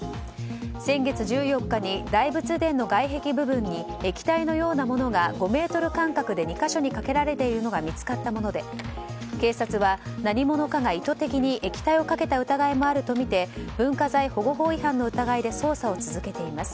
先月１４日に大仏殿の外壁部分に液体のようなものが５ｍ間隔で２か所にかけられているのが見つかったもので警察は何者かが意図的に液体をかけた疑いもあるとみて文化財保護法違反の疑いで捜査を続けています。